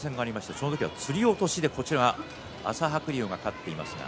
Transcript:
その時は、つり落としで朝白龍が勝っています。